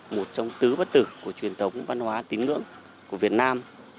một trong tứ bất tử của truyền thống văn hóa tín ngưỡng của việt nam